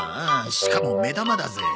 しかも目玉だぜ。